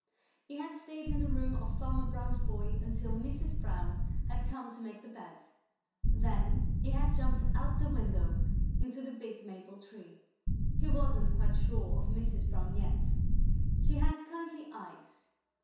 He had stayed in the room of Farmer Brown's boy until Mrs. Brown had come to make the bed. Then he had jumped out the window into the big maple tree. He wasn't quite sure of Mrs. Brown yet. She had kindly eyes.